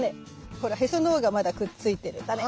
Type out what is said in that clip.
ほらへその緒がまだくっついてるタネ。